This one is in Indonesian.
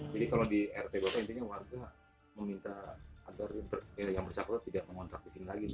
jadi kalau di rtbp intinya warga meminta agar yang bersyakur tidak mengontrak di sini lagi